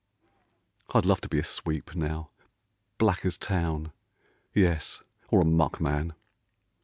I'd love to be a sweep, now, black as Town, Yes, or a muckman.